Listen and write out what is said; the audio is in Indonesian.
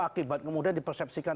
akibat kemudian dipersepsikan